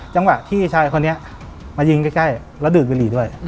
จังหวะที่ชายคนนี้มายิงใกล้แล้วดูดบุหรี่ด้วย